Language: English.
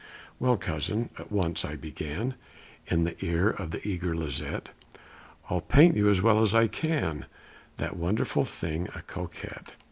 "Well, Cousin," at once I began In the ear of the eager Lisette, "I'll paint you as well as I can, That wonderful thing, a Coquette.